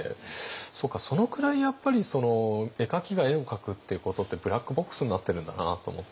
そうかそのくらいやっぱり絵描きが絵を描くっていうことってブラックボックスになってるんだなと思って。